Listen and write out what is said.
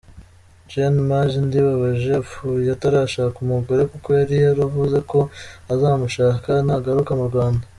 Gen Maj Ndibabaje apfuye atarashaka umugore kuko yari yaravuze ko azamushaka nagaruka mu Rwanda.